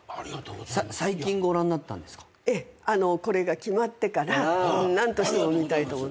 ええこれが決まってから何としても見たいと思って。